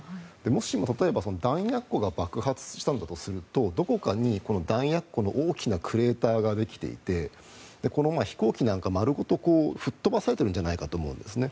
もしも、例えば弾薬庫が爆発したんだとするとどこかに弾薬庫の大きなクレーターができていて飛行機なんか丸ごと吹っ飛ばされてるんじゃないかと思うんですね。